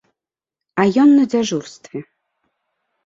А ён на дзяжурстве.